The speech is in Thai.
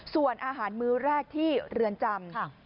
ส่วนอาหารมื้อแรกที่เรือนจำ